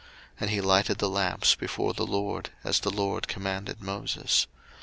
02:040:025 And he lighted the lamps before the LORD; as the LORD commanded Moses.